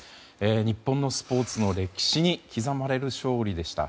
日本のスポーツの歴史に刻まれる勝利でした。